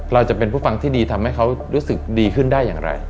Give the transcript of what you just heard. เราจะเป็นผู้ฟังที่ดีทำให้เขารู้สึกดีขึ้นได้อย่างไร